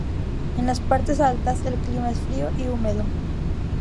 En las partes altas el clima es frío y húmedo.